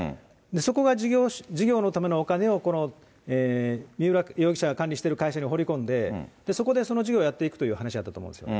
そこが事業のためのお金を、三浦容疑者が管理してる会社に放り込んで、そこでその事業をやっていくという話だったと思うんですよ。